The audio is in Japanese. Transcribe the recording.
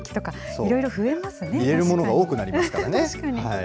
いろいろなものが多くなりますからね。